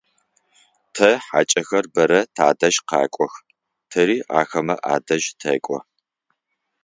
Тэ хьакӏэхэр бэрэ тадэжь къэкӏох, тэри ахэмэ адэжь тэкӏо.